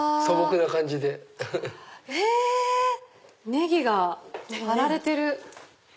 ネギが貼られてる。